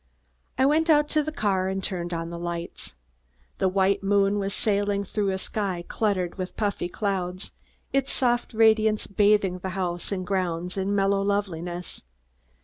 I went out to the car and turned on the lights. A white moon was sailing through a sky cluttered with puffy clouds, its soft radiance bathing the house and grounds in mellow loveliness.